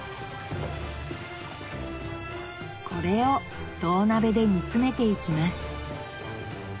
これを銅鍋で煮詰めて行きます